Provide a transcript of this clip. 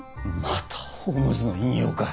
またホームズの引用か。